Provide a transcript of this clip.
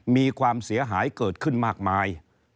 มีความเสียหายเกิดขึ้นมากมาย